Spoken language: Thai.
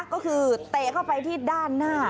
ก็คือเตะเข้าไปที่ด้านหน้า